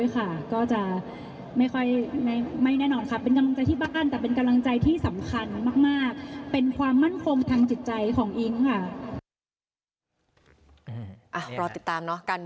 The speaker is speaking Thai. ก็จะไม่ค่อยไม่แน่นอนค่ะเป็นกำลังใจที่บ้านแต่เป็นกำลังใจที่สำคัญมากเป็นความมั่นคมทางจิตใจของอิงค์ค่ะ